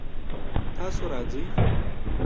تاسو راځئ؟